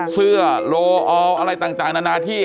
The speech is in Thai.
เสื้อโลออลอะไรต่างนานาที่